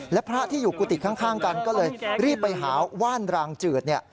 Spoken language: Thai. และพระที่อยู่กุฏิข้างกันก็เลยรีบไปหาว่านรางจืดเนี่ย